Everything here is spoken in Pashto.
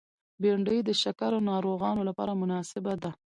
بېنډۍ د شکر ناروغانو لپاره مناسبه ده